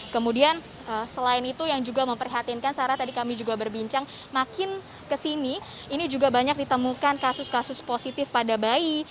kemudian selain itu yang juga memprihatinkan sarah tadi kami juga berbincang makin kesini ini juga banyak ditemukan kasus kasus positif pada bayi